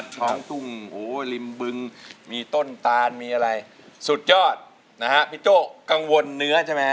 จะเข้าทุ่งโหมีมมีต้นตานมีอะไรสุดยอดนะฮะพี่โจ้กังวลเนื้อใช่มั้ย